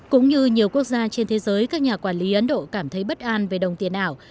cũng như nhiều quốc gia trên thế giới các nhà quản lý ấn độ cảm thấy bất an về đồng tiền ảo